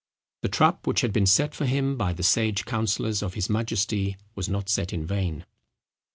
The trap which had been set for him by the sage counsellors of his majesty was not set in vain.